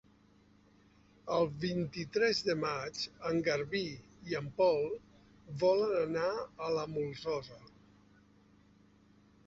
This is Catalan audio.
El vint-i-tres de maig en Garbí i en Pol volen anar a la Molsosa.